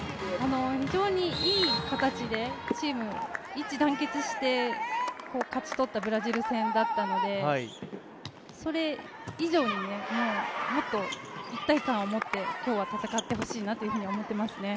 非常にいい形でチームが一致団結して、勝ち取ったブラジル戦だったのでそれ以上にもっと一体感をもって今日は戦ってほしいと思いますね。